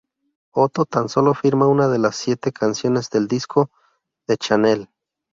Otto tan sólo firma una de las siete canciones del disco, "The Channel".